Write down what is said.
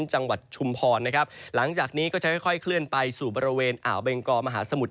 จังหวัดชุมพรนะครับหลังจากนี้ก็จะค่อยเคลื่อนไปสู่บริเวณอ่าวเบงกอมหาสมุทร